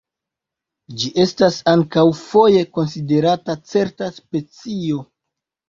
Ĝi estas ankaŭ foje konsiderata certa specio.